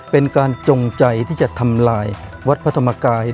เป็นการจงใจที่จะทำลายวัดพระธรรมกาย